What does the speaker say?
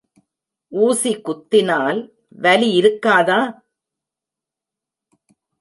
ஊசி குத்தினால் வலி இருக்காதா?